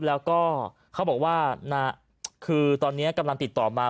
แล้วก็เขาบอกว่าคือตอนนี้กำลังติดต่อมา